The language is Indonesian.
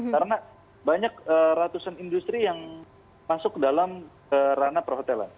karena banyak ratusan industri yang masuk ke dalam ranah perhotelan